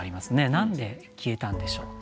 何で消えたんでしょうと。